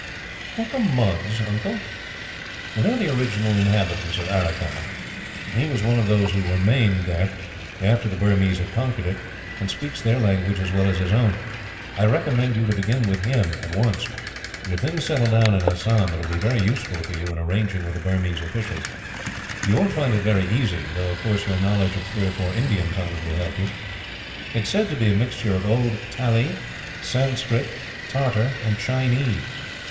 "What are Mugs, uncle?" "They are the original inhabitants of Aracan. He was one of those who remained there, after the Burmese had conquered it, and speaks their language as well as his own. I recommend you to begin it with him, at once. If things settle down in Assam, it will be very useful for you in arranging with the Burmese officials. You won't find it very easy, though of course your knowledge of three or four Indian tongues will help you. It is said to be a mixture of the old Tali, Sanscrit, Tartar, and Chinese.